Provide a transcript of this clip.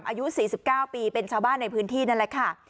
อายุสี่สิบเก้าปีเป็นชาวบ้านในพื้นที่นั่นแหละค่ะ